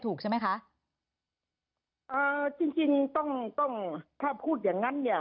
ถูกใช่ไหมคะเอ่อจริงจริงต้องต้องถ้าพูดอย่างงั้นเนี่ย